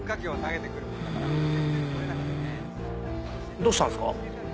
どうしたんすか？